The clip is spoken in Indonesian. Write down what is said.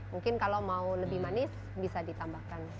mungkin kalau mau lebih manis bisa ditambahkan